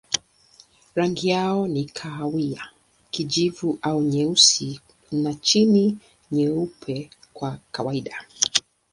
Rangi yao ni kahawia, kijivu au nyeusi na chini nyeupe kwa kawaida.